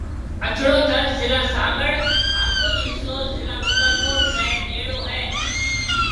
اڇڙو ٿر ضلع سانگھڙ ھان ڪجھ حصو ضلع عمرڪوٽ رَي نيݪو ھيََََ